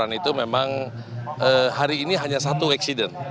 laporan itu memang hari ini hanya satu eksiden